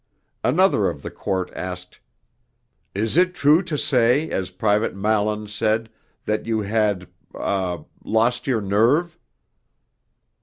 Another of the Court asked: 'Is it true to say, as Private Mallins said, that you had ah lost your nerve?'